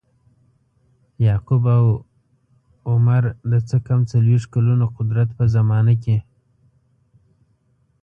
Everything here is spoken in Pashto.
یعقوب او عمرو د څه کم څلویښت کلونو قدرت په زمانه کې.